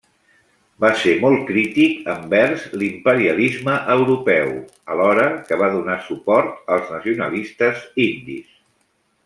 Va ser molt crític envers l'imperialisme europeu, alhora que va donar suport als nacionalistes indis.